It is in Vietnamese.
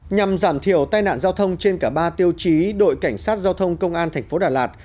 nhằm giảm thiểu tai nạn giao thông trên cả ba tiêu chí đội cảnh sát giao thông công an thành phố đà lạt